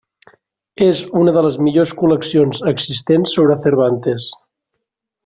És una de les millors col·leccions existents sobre Cervantes.